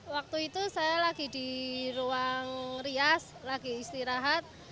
waktu itu saya lagi di ruang rias lagi istirahat